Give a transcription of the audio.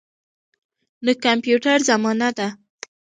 د کمپیوټر زمانه ده.